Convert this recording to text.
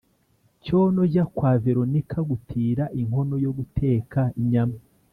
cyono jya kwa veronika gutira inkono yo guteka inyama